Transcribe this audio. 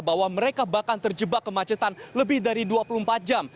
bahwa mereka bahkan terjebak kemacetan lebih dari dua puluh empat jam